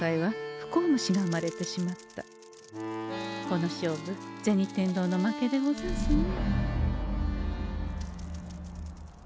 この勝負銭天堂の負けでござんすね。